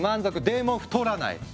でも太らない！